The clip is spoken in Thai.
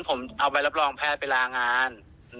ผมเอาไปรับรองแพทย์ไปลางาน